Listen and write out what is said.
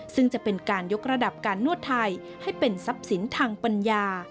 ซึ่งจะเป็นการยกระดับการนวดไทยให้เป็นทรัพย์สินทางปัญญา